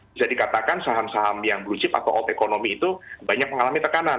bisa dikatakan saham saham yang blue chip atau out economy itu banyak mengalami tekanan